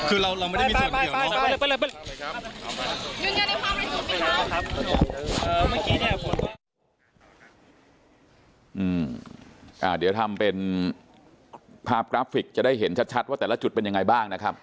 เดี๋ยวเราทำเป็นภาพกราฟิกจะได้เห็นชัดว่าแต่ละจุดเป็นยังไงบ้างนะครับ